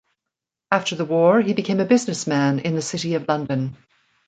After the war, he became a businessman in the City of London.